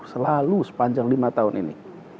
selalu sepanjang lima tahun ini